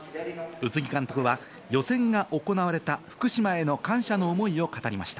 宇津木監督は予選が行われた福島への感謝の思いを語りました。